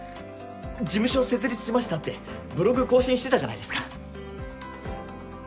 事務所設立しましたってブログ更新してたじゃないですか。